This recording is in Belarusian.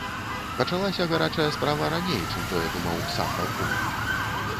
Пачалася гарачая справа раней, чым тое думаў сам палкоўнік.